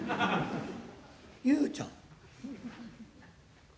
幽ちゃん？」。